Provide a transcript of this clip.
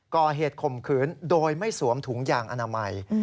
ข่มขืนโดยไม่สวมถุงยางอนามัย